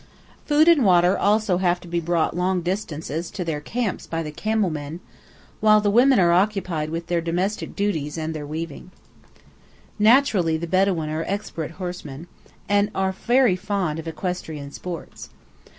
Food and water also have often to be brought long distances to their camps by the camel men, while the women are occupied with their domestic duties and their weaving. Naturally the Bedawīn are expert horsemen, and are very fond of equestrian sports.